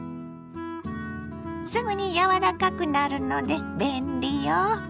すぐに柔らかくなるので便利よ。